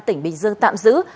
tỉnh bình dương tạm giữ